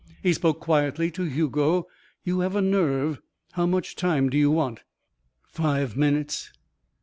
He spoke quietly to Hugo. "You have a nerve. How much time do you want?" "Five minutes."